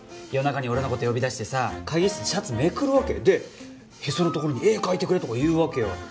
夜中に俺のこと呼び出してさ会議室でシャツめくるわけでヘソのところに絵描いてくれとか言うわけよ